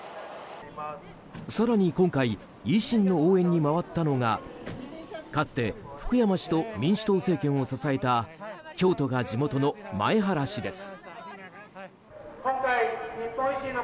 更に今回維新の応援に回ったのがかつて福山氏と民主党政権を支えた京都が地元の前原氏です。